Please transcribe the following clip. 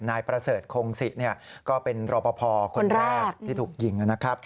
นายประเสริฐโคงศิก็เป็นรบพอคนแรกที่ถูกยิง